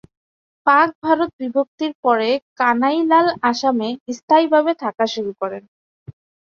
পাক-ভারত বিভক্তির পরে কানাইলাল আসামে স্থায়ীভাবে থাকা শুরু করেন।